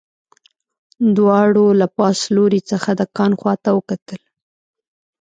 دواړو له پاس لوري څخه د کان خواته وکتل